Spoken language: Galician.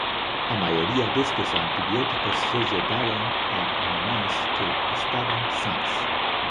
A maioría destes antibióticos se lle daban a animais que estaban sans.